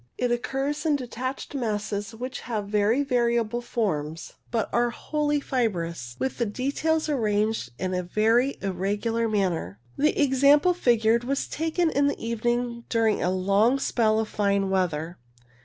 It occurs in detached masses which have very variable forms but are wholly fibrous, with the details arranged in a very irregular manner. The example figured was taken in the evening during a long spell of fine weather.